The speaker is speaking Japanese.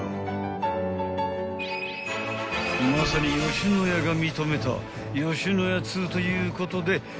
［まさに野家が認めた野家通ということで］